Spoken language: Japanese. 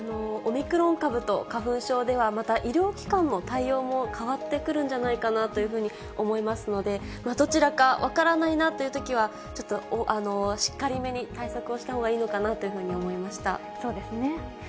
オミクロン株と花粉症では、また医療機関の対応も変わってくるんじゃないかなというふうに思いますので、どちらか分からないなというときは、ちょっとしっかりめに対策をしたほうがいいのかなというふうに思そうですね。